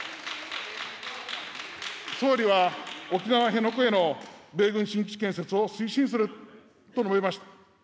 総理は沖縄・辺野古への米軍新基地建設を推進すると述べました。